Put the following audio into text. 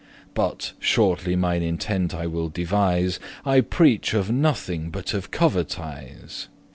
But, shortly mine intent I will devise, I preach of nothing but of covetise.